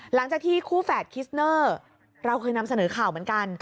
หลังจากที่คู่แฝดคิสเนอร์เราเคยนำเสนอข่าวเหมือนกัน